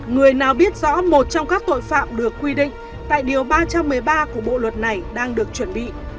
người nào biết rõ một trong các tội phạm được quy định tại điều ba trăm một mươi ba của bộ luật này đang được chuẩn bị